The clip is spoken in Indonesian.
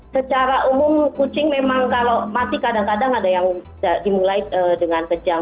secara umum kucing memang kalau mati kadang kadang ada yang dimulai dengan kejang